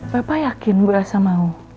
bapak yakin bu elsa mau